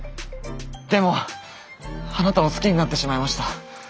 でもあなたを好きになってしまいました。